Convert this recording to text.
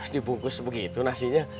dibungkus begitu nasinya